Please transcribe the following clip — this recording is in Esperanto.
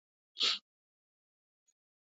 Tiu povas esti individua aŭ komuna intereso.